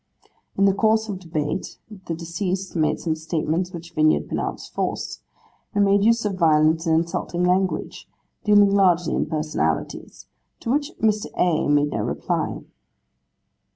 In the course of debate, the deceased made some statements which Vinyard pronounced false, and made use of violent and insulting language, dealing largely in personalities, to which Mr. A. made no reply.